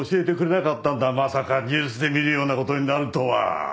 まさかニュースで見るような事になるとは。